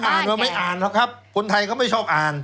คนอ่านแล้วไม่อ่านครับคนไทยเขาไม่ชอบอ่าน